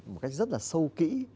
một cách rất là sâu kỹ